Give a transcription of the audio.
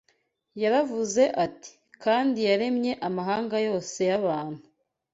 Yaravuze ati: “Kandi yaremye amahanga yose y’abantu